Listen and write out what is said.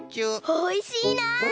おいしいな！